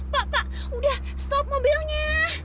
pak pak udah stop mobilnya